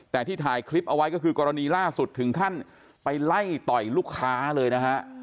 แต่ที่ถ่ายคลิปเอาไว้ก็คือกรณีล่าสุดถึงขั้นไปไล่ต่อยลูกค้าเลยนะฮะ